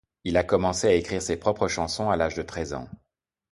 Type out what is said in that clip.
Il a commencé à écrire ses propres chansons à l'âge de treize ans.